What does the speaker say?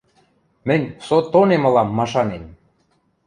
— Мӹнь со тонем ылам машанем!